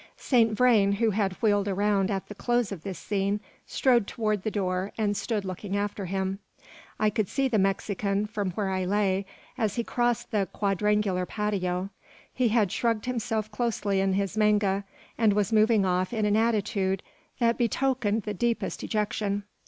Saint Vrain, who had wheeled round at the close of this scene, strode forward to the door, and stood looking after him. I could see the Mexican, from where I lay, as he crossed the quadrangular patio. He had shrugged himself closely in his manga, and was moving off in an attitude that betokened the deepest dejection.